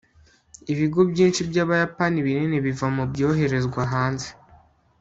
ibigo byinshi byabayapani binini biva mubyoherezwa hanze